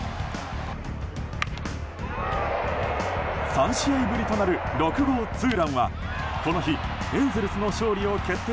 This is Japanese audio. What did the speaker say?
３試合ぶりとなる６号ツーランはこの日、エンゼルスの勝利を決定